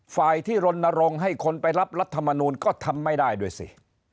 ฝ่ายที่รณรงค์ให้คนไปรับรัฐมนูลก็ทำไม่ได้ด้วยสิ